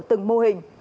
từng mô hình